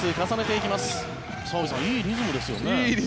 いいリズムですね。